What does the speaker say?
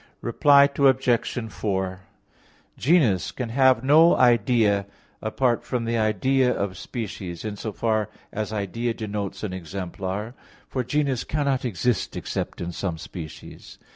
Reply Obj. 4: Genus can have no idea apart from the idea of species, in so far as idea denotes an "exemplar"; for genus cannot exist except in some species.